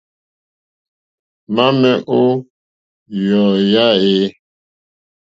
Mamɛ̀ o yɔ̀eyà e?